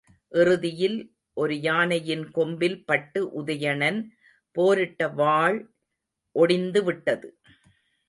இறுதியில் ஒரு யானையின் கொம்பில் பட்டு உதயணன் போரிட்ட வாள் ஒடிந்துவிட்டது.